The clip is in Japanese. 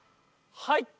はい。